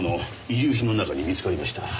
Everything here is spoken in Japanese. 遺留品の中に見つかりました。